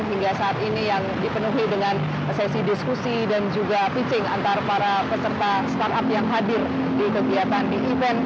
hingga saat ini yang dipenuhi dengan sesi diskusi dan juga pitching antara para peserta startup yang hadir di kegiatan di event